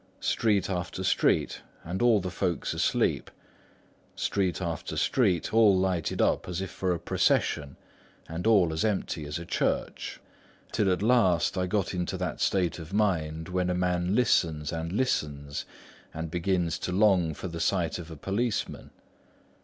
Street after street and all the folks asleep—street after street, all lighted up as if for a procession and all as empty as a church—till at last I got into that state of mind when a man listens and listens and begins to long for the sight of a policeman.